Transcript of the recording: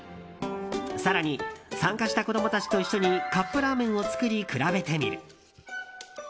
更に、参加した子供たちと一緒にカップラーメンを作り比べてみる。